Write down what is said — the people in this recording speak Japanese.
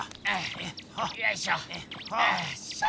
よいしょ！